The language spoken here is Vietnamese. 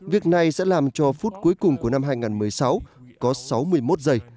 việc này sẽ làm cho phút cuối cùng của năm hai nghìn một mươi sáu có sáu mươi một giây